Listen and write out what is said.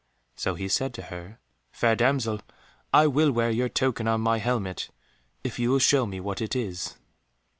So he said to her, "Fair damsel, I will wear your token on my helmet, if you will show me what it is."